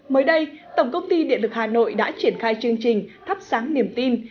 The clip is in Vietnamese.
mới đây tổng công ty điện lực hà nội đã triển khai chương trình thắp sáng niềm tin